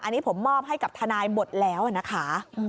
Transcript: อันนี้ผมมอบให้กับทนายหมดแล้วนะคะ